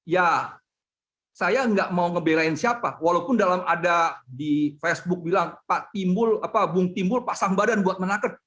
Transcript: ya saya nggak mau ngebelain siapa walaupun dalam ada di facebook bilang pak bung timbul pasang badan buat menaker